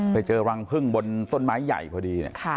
ไปเจอรังพึ่งบนต้นไม้ใหญ่พอดี